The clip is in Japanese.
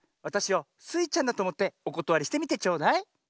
わたしをスイちゃんだとおもっておことわりしてみてちょうだい。